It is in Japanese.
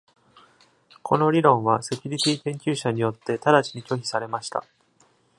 この理論はセキュリティ研究者によって直ちに拒否されました。